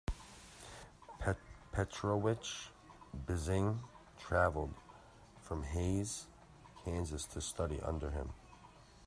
Petrowitsch Bissing traveled from Hays, Kansas to study under him.